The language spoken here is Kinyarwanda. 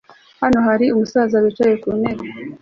Hano hari umusaza wicaye ku ntebe